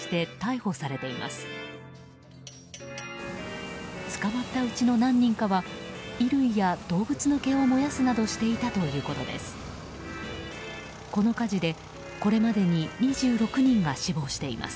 捕まったうちの何人かは衣類や動物の毛を燃やすなどしていたということです。